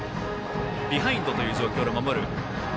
ビハインドという状況で守る